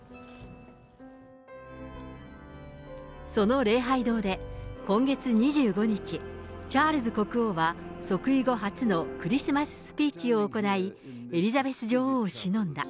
その礼拝堂で、今月２５日、チャールズ国王は即位後初のクリスマススピーチを行い、エリザベス女王をしのんだ。